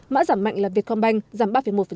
mã giảm mạnh là vietcombank giảm ba một